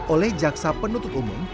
oleh jaksa penutup umum